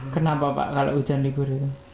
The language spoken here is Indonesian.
kenapa pak kalau hujan libur ini